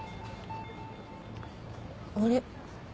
あれ？